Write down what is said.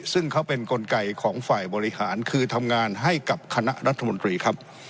ซึ่งเขาเป็นกลไกของฝ่ายบริหารคือทำงานให้กับคณะรัฐมนตรีครับ